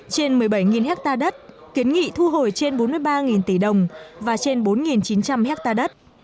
trên một mươi bảy ha đất kiến nghị thu hồi trên bốn mươi ba tỷ đồng và trên bốn chín trăm linh hectare đất